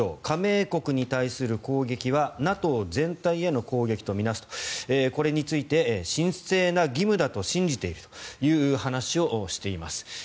加盟国に対する攻撃はＮＡＴＯ全体への攻撃と見なすとこれについて神聖な義務だと信じているという話をしています。